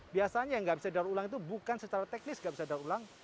biasanya yang nggak bisa didaur ulang itu bukan secara teknis nggak bisa daur ulang